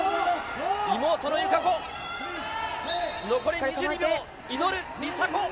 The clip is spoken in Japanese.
妹の友香子、残り２２秒、祈る梨紗子。